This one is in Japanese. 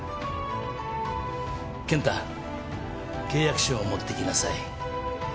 健太契約書を持ってきなさい。